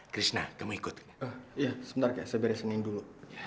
krishna kamu ikut ya sebentar ya saya beresin dulu